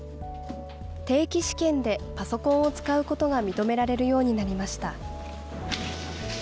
定期試験でパソコンを使うことが認められるようになりました。